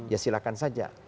ya silakan saja